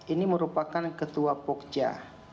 ini merupakan ketua pokja